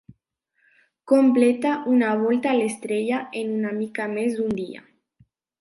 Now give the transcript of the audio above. Completa una volta a l'estrella en una mica més d'un dia.